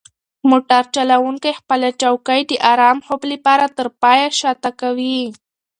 موټر چلونکی خپله چوکۍ د ارام خوب لپاره تر پایه شاته کوي.